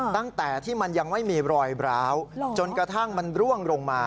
ตั้งแต่ที่มันยังไม่มีรอยร้าวจนกระทั่งมันร่วงลงมา